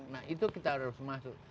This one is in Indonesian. nah itu kita harus masuk